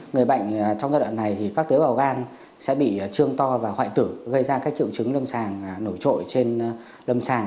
người bệnh trong giai đoạn này thì các tế bào gan sẽ bị trương to và hoại tử gây ra các triệu chứng lâm sàng nổi trội trên lâm sàng